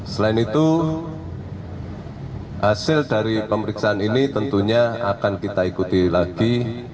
selain itu hasil dari pemeriksaan ini tentunya akan kita ikuti lagi